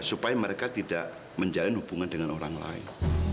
supaya mereka tidak menjalin hubungan dengan orang lain